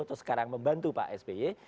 terus sekarang membantu pak sbi